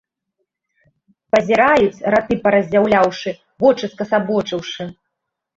Пазіраюць, раты паразяўляўшы, вочы скасабочыўшы!